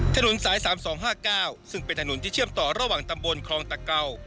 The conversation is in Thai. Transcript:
ถนนสาย๓๒๕๙ซึ่งเป็นถนนที่เชื่อมต่อระหว่างตำบลคลองตะเก่า